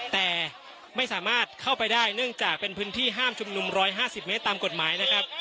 แต่ไม่สามารถเข้าไปได้เนื่องจากเป็นพื้นที่ห้ามชุมนุม๑๕๐เมตรตามกฎหมายนะครับ